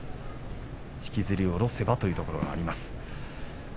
引きずり下ろせばというところがあります。